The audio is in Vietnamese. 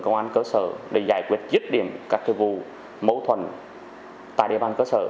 công an cơ sở để giải quyết dứt điểm các vụ mâu thuần tại địa bàn cơ sở